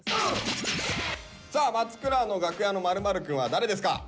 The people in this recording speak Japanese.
さあ松倉の「楽屋の○○くん」は誰ですか？